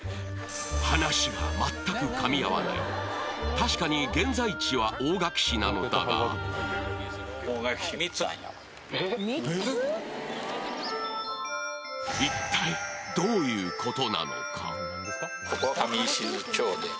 確かに現在地は大垣市なのだが怖っどういうこと？